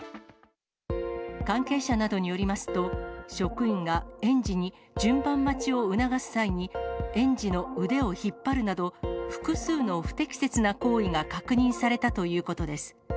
関係者などによりますと、職員が園児に順番待ちを促す際に、園児の腕を引っ張るなど、複数の不適切な行為が確認されたということです。